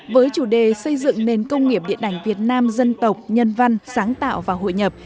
với chủ đề xây dựng nền công nghiệp điện ảnh việt nam dân tộc nhân văn sáng tạo và hội nhập